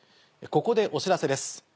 ここでお知らせです。